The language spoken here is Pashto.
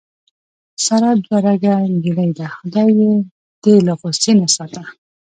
ساره دوه رګه نجیلۍ ده. خدای یې دې له غوسې نه ساته.